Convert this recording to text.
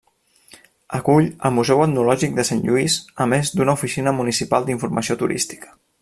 Acull el Museu Etnològic de Sant Lluís a més d'una oficina municipal d'informació turística.